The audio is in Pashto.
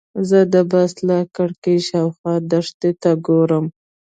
زه د بس له کړکۍ شاوخوا دښتې ته ګورم.